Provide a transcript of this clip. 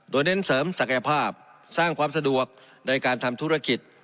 โดยเน้นเสริมศักยภาพสร้างความสะดวกในการทำธุรกิจ